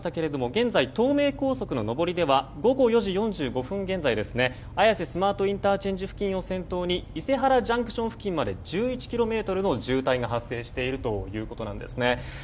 現在、東名高速の上りでは午後４時４５分現在綾瀬スマートＩＣ付近を先頭に伊勢原ＪＣＴ付近まで１１ｋｍの渋滞が発生しているということです。